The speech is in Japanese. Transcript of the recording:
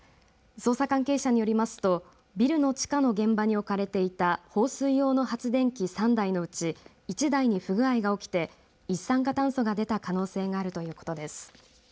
捜査関係者によりますとビルの地下の現場に置かれていた放水用の発電機３台のうち１台に不具合が起きて一酸化炭素が出た可能性があるということです。